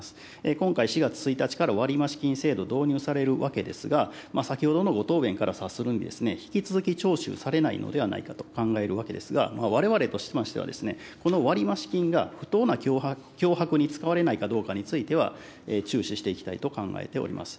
今回４月１日から割増金制度導入されるわけですが、先ほどのご答弁から察するに、引き続き徴収されないのではないかと考えるわけですが、われわれとしましてはですね、この割増金が不当な脅迫に使われないかどうかについては、注視していきたいと考えております。